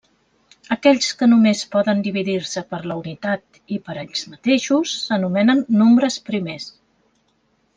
Aquells que només poden dividir-se per la unitat i per ells mateixos s'anomenen nombres primers.